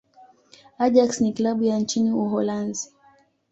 ajax ni klabu ya nchini uholanzi